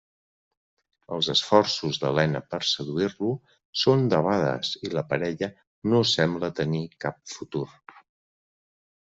Els esforços d'Elena per seduir-lo són debades i la parella no sembla tenir cap futur.